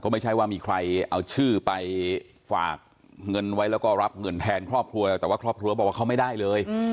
ไม่ใช่ว่ามีใครเอาชื่อไปฝากเงินไว้แล้วก็รับเงินแทนครอบครัวแล้วแต่ว่าครอบครัวบอกว่าเขาไม่ได้เลย